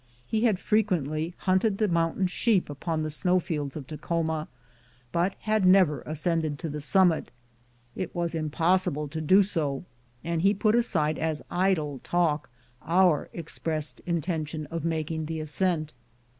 He had frequently hunted the mountain sheep upon the snow fields of Takhoma, but had never ascended to the summit. It was impossible to do so, and he put aside as idle talk our expressed intention of making the ascent.